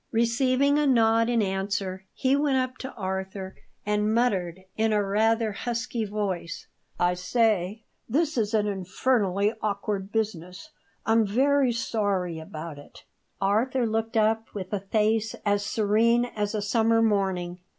Receiving a nod in answer, he went up to Arthur and muttered in a rather husky voice: "I say; this is an infernally awkward business. I'm very sorry about it." Arthur looked up with a face as serene as a summer morning.